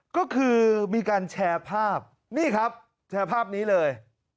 ก็คือมีการแชร์ภาพนี่ครับแชร์ภาพนี้เลย